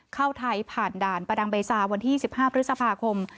เข้าไทยผ่านด่านประดังเบซาวันที่๑๕พฤษภาคม